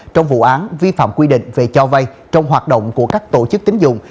trong vụ án vi phạm quy định về cho vay trong hoạt động của các tổ chức tính dụng